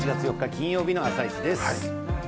金曜日の「あさイチ」です。